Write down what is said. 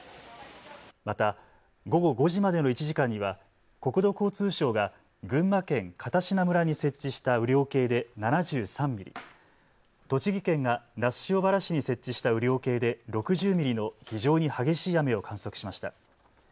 また午後５時までの１時間には国土交通省が群馬県片品村に設置した雨量計で７３ミリ、栃木県が那須塩原市に設置した雨量計で６０ミリの非常に激しい雨を観測しました。